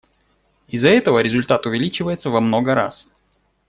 Из-за этого результат увеличивается во много раз.